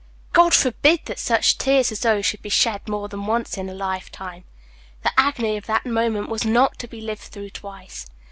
God forbid that such tears as those should be shed more than once in a lifetime. The agony of that moment was not to be lived through twice.